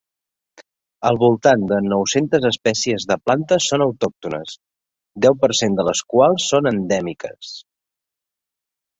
Al voltant de nou-centes espècies de plantes són autòctones, deu per cent de les quals són endèmiques.